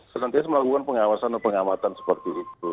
selentis melakukan pengawasan dan pengamatan seperti itu